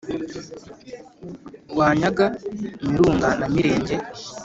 wanyaga mirunga na mirenge